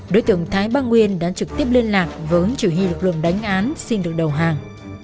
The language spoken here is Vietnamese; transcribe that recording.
đối tượng thái bang nguyên đã trực tiếp liên lạc với chủ hy lực lượng đánh án xin được đầu hàng